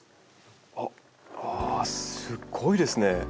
ああすごいですね。